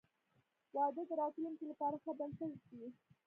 • واده د راتلونکي لپاره ښه بنسټ ږدي.